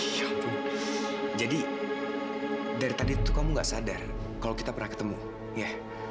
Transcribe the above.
ya ampun jadi dari tadi tuh kamu gak sadar kalau kita pernah ketemu iya